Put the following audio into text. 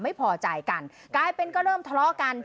ไม่พอใจกันกลายเป็นก็เริ่มทะเลาะกัน